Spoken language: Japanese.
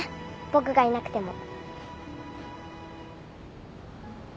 僕がいなくても。